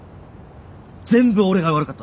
全部俺が悪かった。